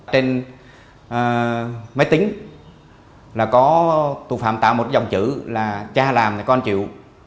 trên máy tính là có tù phạm tạo một dòng chữ là cha làm con chịu